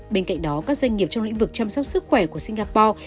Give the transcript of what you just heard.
bên cạnh đó các doanh nghiệp trong lĩnh vực chăm sóc sức khỏe của singapore